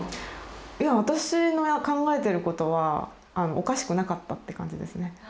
いや私の考えてることはおかしくなかったって感じですね。